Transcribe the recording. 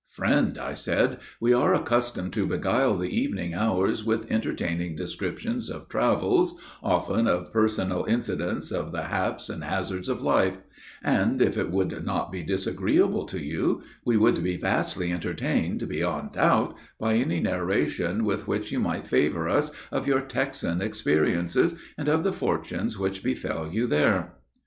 "Friend," I said, "we are accustomed to beguile the evening hours with entertaining descriptions of travels, often of personal incidents of the haps and hazards of life; and, if it would not be disagreeable to you, we would be vastly entertained, beyond doubt, by any narration with which you might favor us of your Texan experiences and of the fortunes which befell you there."